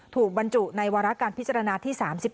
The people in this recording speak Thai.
บรรจุในวาระการพิจารณาที่๓๑